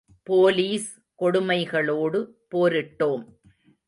Police கொடுமைகளோடு போரிட்டோம்.